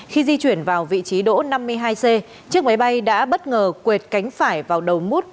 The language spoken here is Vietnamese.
khi di chuyển vào vị trí đỗ năm mươi hai c chiếc máy bay đã bất ngờ quệt cánh phải vào đầu mút